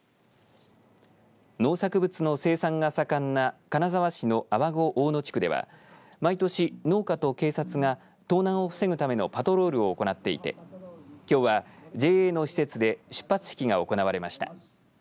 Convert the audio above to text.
農作物の生産が盛んな金沢市の粟五・大野地区では毎年、農家と警察が盗難を防ぐためのパトロールを行っていてきょうはＪＡの施設で出発式が行われました。